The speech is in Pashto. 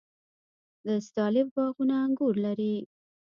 د استالف باغونه انګور لري.